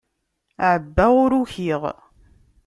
Ɛebbaɣ ur ukiɣ.